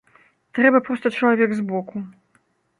Трэба проста чалавек з боку.